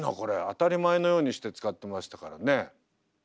当たり前のようにして使ってましたからね。